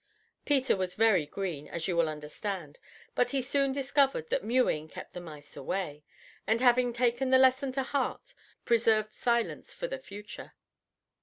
Peter was very green, as you will understand, but he soon discovered that mewing kept the mice away, and having taken the lesson to heart, preserved silence for the future.